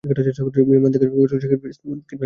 বিমান থেকে ফসলে কীটনাশক স্প্রে করার জন্য।